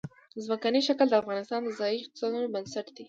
ځمکنی شکل د افغانستان د ځایي اقتصادونو بنسټ دی.